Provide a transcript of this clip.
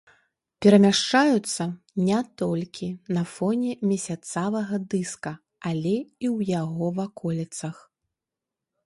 Перамяшчаюцца не толькі на фоне месяцавага дыска, але і ў яго ваколіцах.